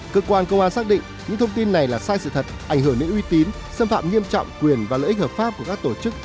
cơ quan công an xác định những thông tin này là sai sự thật ảnh hưởng đến uy tín xâm phạm nghiêm trọng quyền và lợi ích hợp pháp của các tổ chức